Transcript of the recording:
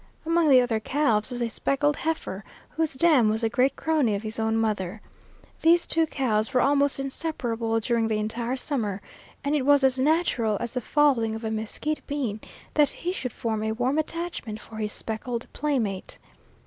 Among the other calves was a speckled heifer, whose dam was a great crony of his own mother. These two cows were almost inseparable during the entire summer, and it was as natural as the falling of a mesquite bean that he should form a warm attachment for his speckled playmate.